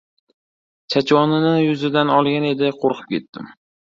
Chachvonini yuzidan olgan edi, qo‘rqib ketdim.